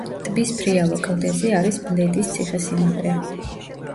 ტბის ფრიალო კლდეზე არის ბლედის ციხე-სიმაგრე.